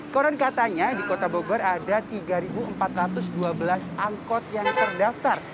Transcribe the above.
konon katanya di kota bogor ada tiga empat ratus dua belas angkot yang terdaftar